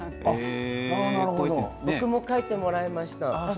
僕も書いてもらいました。